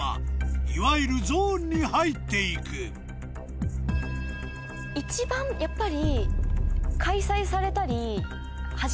いわゆるゾーンに入って行く一番やっぱり。